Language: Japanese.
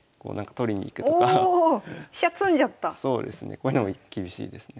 こういうのも厳しいですね。